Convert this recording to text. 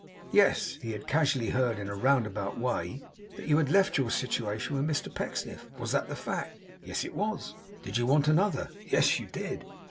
Yes. He had casually heard, in a roundabout way, that you had left your situation with Mr Pecksniff. Was that the fact? Yes, it was. Did you want another? Yes, you did.